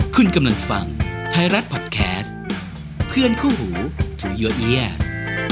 คุณกำลังฟังไทยรัฐพอดแคสต์เพื่อนคู่หูจูโยเอียส